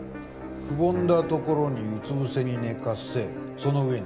くぼんだところにうつ伏せに寝かせその上に。